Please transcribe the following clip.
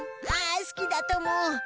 ああすきだとも！